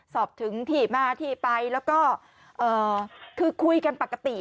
สอบถึงที่มาที่ไปแล้วก็คือคุยกันปกติ